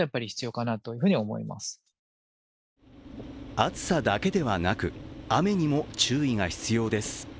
暑さだけではなく雨にも注意が必要です。